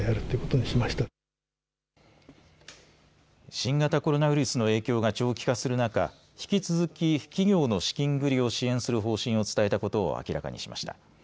新型コロナウイルスの影響が長期化する中、引き続き企業の資金繰りを支援する方針を伝えたことを明らかにしました。